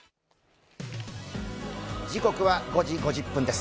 時刻は５時５０分です。